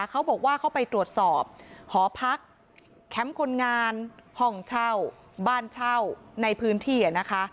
เขาบอกว่าเขาไปตรวจสอบหอพักแคมป์คนงานห้องเช่าบ้านเช่าในพื้นที่นะคะ